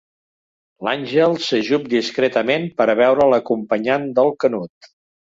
L'Àngel s'ajup discretament, per veure l'acompanyant del Canut.